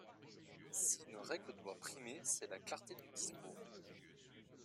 Si une règle doit primer, c’est la clarté du discours.